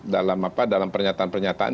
dalam apa dalam pernyataan pernyataan